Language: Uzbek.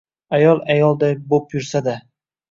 Ayol ayolday bo‘p yursa-da.